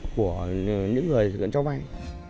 của những người thực hiện cho vay